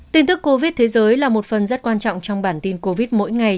tin tức covid thế giới là một phần rất quan trọng trong bản tin covid mỗi ngày